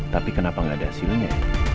tapi kenapa nggak ada hasilnya